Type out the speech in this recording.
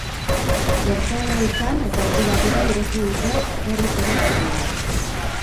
Gertaera izan eta ordu batera ireki dute berriz ere trenbidea.